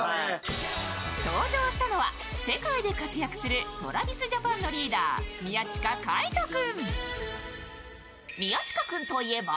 登場したのは世界で活躍するＴｒａｖｉｓＪａｐａｎのリーダー・宮近海斗君。